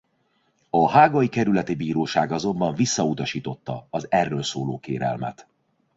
A hágai kerületi bíróság azonban visszautasította az erről szóló kérelmet.